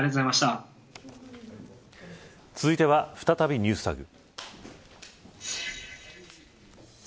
続いては再びＮｅｗｓＴａｇ。